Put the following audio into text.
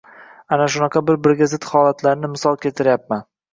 Ana shunaqa bir-biriga zid holatlarni misol keltiryapman.